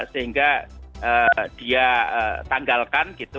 sehingga dia tanggalkan gitu